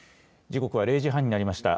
時刻は０時半になりました。